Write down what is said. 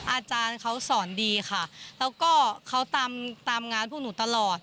อาจารย์เขาสอนดีค่ะแล้วก็เขาตามตามงานพวกหนูตลอด